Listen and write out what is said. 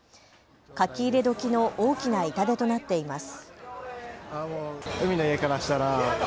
かき入れ時の大きな痛手となっています。